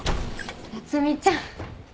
夏海ちゃん。